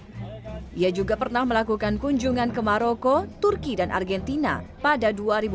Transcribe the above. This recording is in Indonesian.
dia juga pernah melakukan kunjungan ke maroko turki dan argentina pada dua ribu dua belas